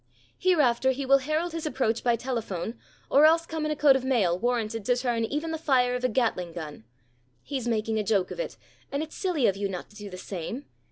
Hereafter he will herald his approach by telephone or else come in a coat of mail warranted to turn even the fire of a Gatling gun. He's making a joke of it, and it's silly of you not to do the same.